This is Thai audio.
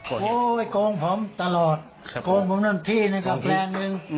โอ้ยโกงผมตลอดโกงผมนั่นที่หนึ่งกับแปลงหนึ่ง